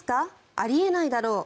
あり得ないだろう